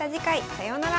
さようなら。